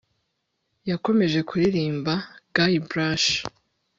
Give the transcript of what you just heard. Yakomeje kuririmba Guybrush